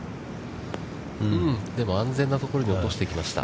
でも、安全なところに落としてきました。